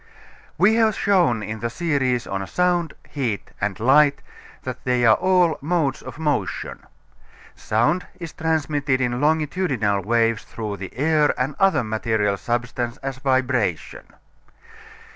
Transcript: We have shown in the series on Sound, Heat and Light that they are all modes of motion. Sound is transmitted in longitudinal waves through air and other material substance as vibration.